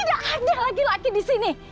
tidak hanya laki laki di sini